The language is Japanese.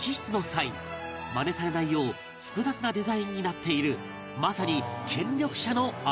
マネされないよう複雑なデザインになっているまさに権力者の証